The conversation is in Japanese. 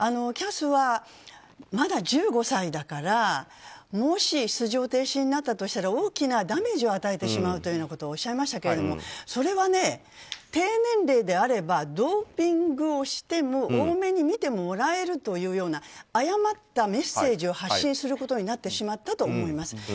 ＣＡＳは、まだ１５歳だからもし出場停止になったとしたら大きなダメージを与えてしまうというようなことをおっしゃいましたけれどもそれはね、低年齢であればドーピングをしても大目に見てもらえるというような誤ったメッセージを発信することになってしまったと思います。